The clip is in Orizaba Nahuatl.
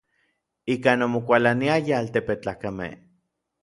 Ikan omokualaniayaj n altepetlakamej.